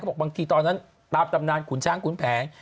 บอกบางทีตอนนั้นตามตำนานขุนช้างขุนแผง